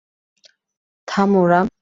থামো, রাম!